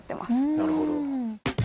なるほど。